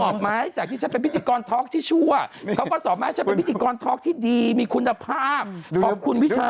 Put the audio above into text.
ถ้าใครถามว่าใครเป็นครูสอนพิธีกรกัญชัย